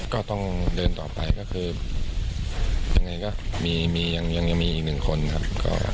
ก็ต้องเดินต่อไปก็คือยังไงก็ยังมีอีกหนึ่งคนครับ